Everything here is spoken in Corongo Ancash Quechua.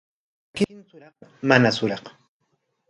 ¿Mamanta llakintsuraq manatsuraq?